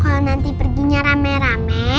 kalau nanti perginya rame rame